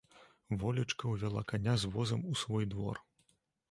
Волечка ўвяла каня з возам у свой двор.